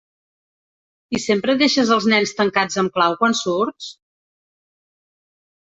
I sempre deixes els nens tancats amb clau quan surts?